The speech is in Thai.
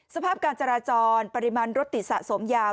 สภาพการจราจรปริมาณรถติดสะสมยาว